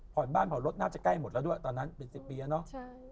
บ้านผ่อนรถน่าจะใกล้หมดแล้วด้วยตอนนั้นเป็น๑๐ปีแล้วเนอะ